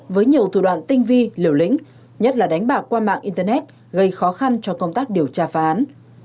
với nhiều thủ đoạn tinh vi liều lĩnh nhất là đánh bạc qua mạng internet gây khó khăn cho công tác điều tra phá án